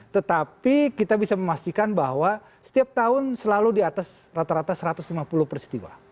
tetapi kita bisa memastikan bahwa setiap tahun selalu di atas rata rata satu ratus lima puluh peristiwa